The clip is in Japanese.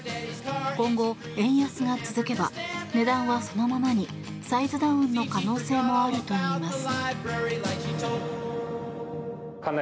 今後、円安が続けば値段はそのままにサイズダウンの可能性もあるといいます。